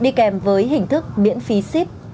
đi kèm với hình thức miễn phí ship